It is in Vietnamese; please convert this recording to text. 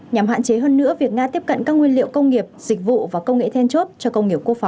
nhằm hạn chế hơn nữa việc nga tiếp cận các nguyên liệu công nghiệp dịch vụ và công nghệ then chốt cho công nghiệp quốc phòng